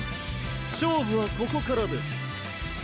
勝負はここからです。